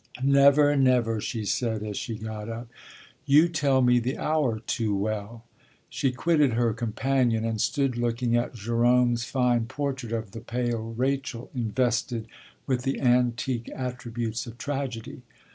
"Never never!" she said as she got up. "You tell me the hour too well." She quitted her companion and stood looking at Gérôme's fine portrait of the pale Rachel invested with the antique attributes of tragedy.